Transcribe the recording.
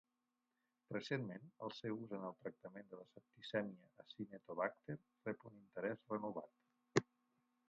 Recentment, el seu ús en el tractament de la septicèmia "Acinetobacter" rep un interès renovat.